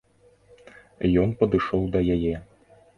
Ён падышоў да яе.